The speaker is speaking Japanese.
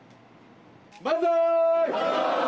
万歳！